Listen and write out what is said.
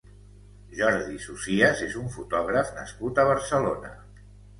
Jordi Socías és un fotògraf nascut a Barcelona.